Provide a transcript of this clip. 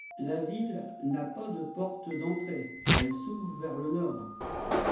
La ville n'a pas de porte d'entrée, et s'ouvre vers le nord.